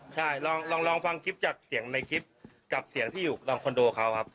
ใช่ลองฟังคลิปจากเสียงในคลิปกับเสียงที่อยู่ลองคอนโดเขาครับ